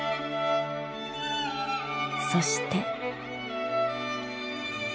そして。